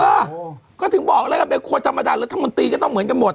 เออก็ถึงบอกแล้วกันเป็นคนธรรมดารัฐมนตรีก็ต้องเหมือนกันหมด